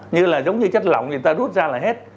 như là giống như chất lỏng người ta đốt ra là hết